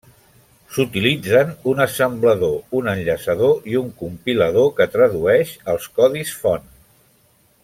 S’utilitzen un assemblador, un enllaçador i un compilador que tradueix els codis font.